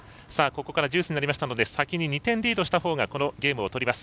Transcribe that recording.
ここからデュースになりましたので先に２点リードした方がこのゲームを取ります。